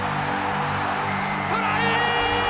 トライ！